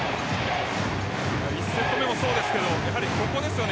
１セット目もそうですがやはりここですよね。